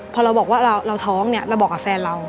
พอเราบอกว่าเราท้องเนี่ยเราบอกกับแฟนเรา